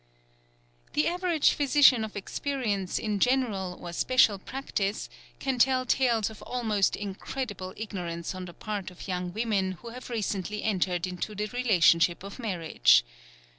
The average physician of experience in general or special practice can tell tales of almost incredible ignorance on the part of young women who have recently entered into the relationship of marriage.